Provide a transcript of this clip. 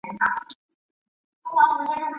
隐棘真缘吸虫为棘口科真缘属的动物。